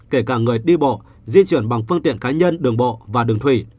kể cả người đi bộ di chuyển bằng phương tiện cá nhân đường bộ và đường thủy